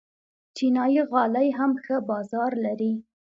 چینايي غالۍ هم ښه بازار لري.